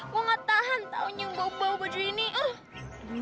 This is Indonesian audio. gue nggak tahan taunya bau bau baju ini